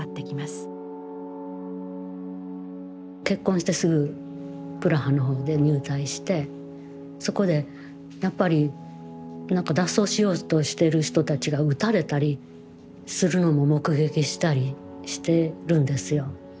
結婚してすぐプラハの方で入隊してそこでやっぱり何か脱走しようとしてる人たちが撃たれたりするのも目撃したりしてるんですよ。